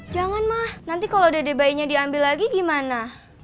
jangan ma nanti kalau dedek bayinya diambil lagi gimana